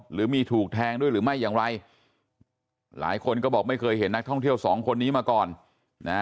หรือมีถูกแทงด้วยหรือไม่อย่างไรหลายคนก็บอกไม่เคยเห็นนักท่องเที่ยวสองคนนี้มาก่อนนะ